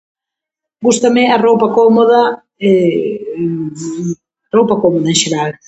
Gústame a roupa cómoda. Roupa cómoda en xeral.